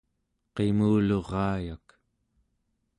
qimulurayak